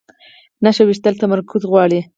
نښه ویشتل تمرکز غواړي